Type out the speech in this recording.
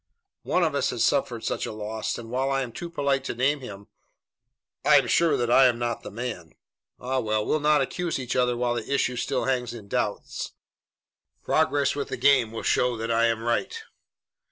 "One of us has suffered such a loss, and while I am too polite to name him, I am sure that I am not the man." "Ah, well, we'll not accuse each other while the issue still hangs in doubt. Progress with the game will show that I am right."